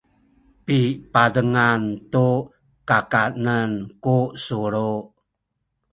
pipazengan tu kakanen ku sulu